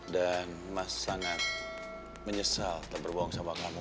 dan mas sangat menyesal terberbohong sama kamu